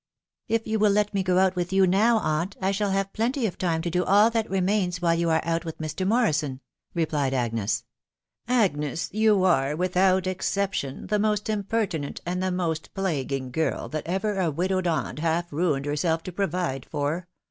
" If you would let me go with you now, aunt, I shall have plenty of time to do all that remains while you are out with Mr. Morrison," replied Agnes. " Agnes, you are, without exception, the most impertinent and the most plaguing girl that ever a widowed aunt half ruined herself to provide for